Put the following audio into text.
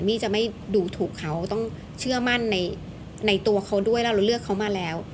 มี่จะไม่ดูถูกเขาต้องเชื่อมั่นในตัวเขาด้วยแล้วเราเลือกเขามาแล้ว